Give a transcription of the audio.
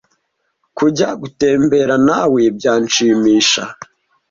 Kujya gutembera nawe byanshimisha.